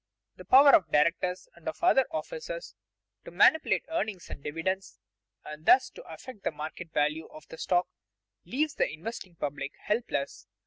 The power of directors and of other officers to manipulate earnings and dividends, and thus to affect the market value of the stock, leaves the investing public helpless.